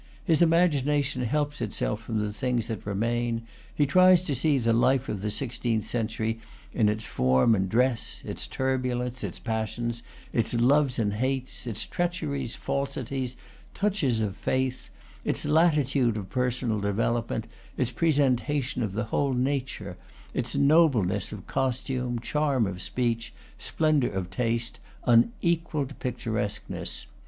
His imagination helps itself from the things that re main; he tries to see the life of the sixteenth century in its form and dress, its turbulence, its passions, its loves and hates, its treacheries, falsities, touches of faith, its latitude of personal development, its presen tation of the whole nature, its nobleness of costume, charm of speech, splendor of taste, unequalled pic turesqueness.